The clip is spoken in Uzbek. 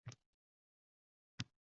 Oʻzimni qayerga qoʻyishni bilmayapman.